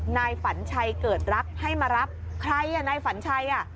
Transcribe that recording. นายฝันชัยเกิดรักให้มารับใครอ่ะนายฝันชัยอ่ะ